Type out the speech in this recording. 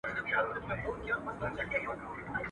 برخي ټولي ازلي دي، نه په زور نه په زاري دي.